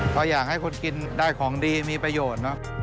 เพราะอยากให้คุณกินได้ของดีมีประโยชน์นะ